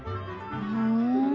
ふん。